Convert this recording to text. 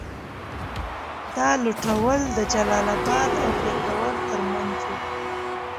دا لوټول د جلال اباد او پېښور تر منځ وو.